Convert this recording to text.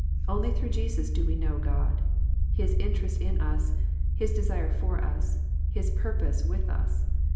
Only through Jesus do we know God, His interest in us, His desire for us. His purpose with us.